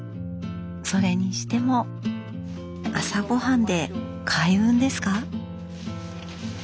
それにしても朝ごはんで開運ですか？